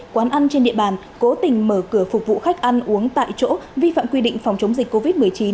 quán ăn trên địa bàn cố tình mở cửa phục vụ khách ăn uống tại chỗ vi phạm quy định phòng chống dịch covid một mươi chín